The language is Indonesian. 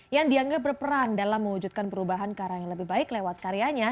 yang dianggap berperan dalam mewujudkan perubahan ke arah yang lebih baik lewat karyanya